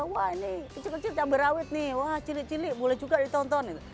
wah ini kecil kecil cabai rawit nih wah cilik cilik boleh juga ditonton